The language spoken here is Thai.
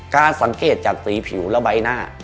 การสังเกตจากสีผิวและใบหน้า